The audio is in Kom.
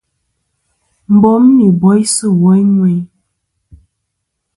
Bom nɨn boysɨ woyn ŋweyn.